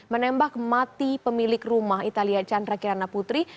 menembak mati pemilik rumah italia chandra kirana putri